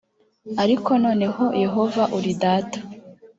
ariko noneho yehova uri data